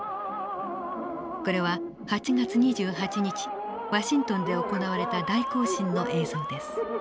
これは８月２８日ワシントンで行われた大行進の映像です。